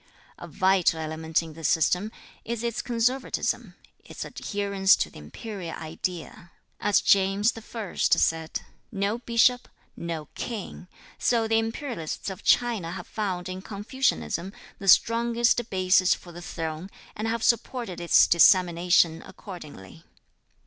A vital element in this system is its conservatism, its adherence to the imperial idea. As James I said, "No bishop, no king," so the imperialists of China have found in Confucianism the strongest basis for the throne, and have supported its dissemination accordingly.